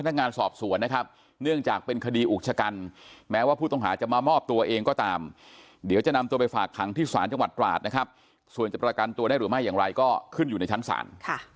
ในจังหวัดปราศนะครับส่วนจะปรากันตัวได้หรือไม่อย่างไรก็ขึ้นอยู่ในชั้นสาร